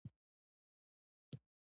چا د څوک اوښتي شکل دی.